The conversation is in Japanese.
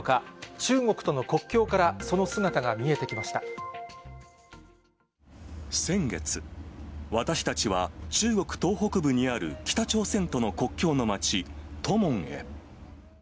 中国との国境から、先月、私たちは中国東北部にある北朝鮮との国境の街、図們へ。